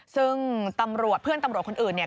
ซึ่งตำรวจเพื่อนตำรวจคนอื่นเนี่ย